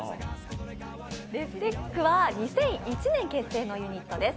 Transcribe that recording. ＤｅｆＴｅｃｈは２００１年結成のユニットです。